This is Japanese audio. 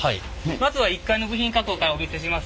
まずは１階の部品加工からお見せします。